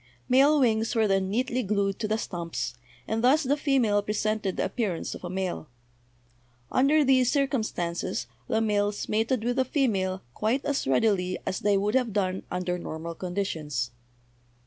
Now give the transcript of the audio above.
Male wings were then neatly glued to the stumps, and thus the female presented the appearance of a male. Under these cir cumstances the males mated with the female quite as readily as they would have done under normal condi tions.